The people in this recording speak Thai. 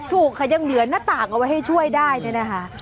ถูกค่ะยังเหลือหน้าต่างเอาไว้ให้ช่วยได้เนี่ยนะคะ